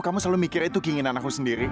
kamu selalu mikirnya itu keinginan aku sendiri